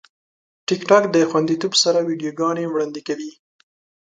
ټیکټاک د خوندیتوب سره ویډیوګانې وړاندې کوي.